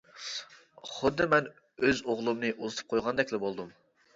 خۇددى مەن ئۆز ئوغلۇمنى ئۇزىتىپ قويىدىغاندەكلا بولدۇم.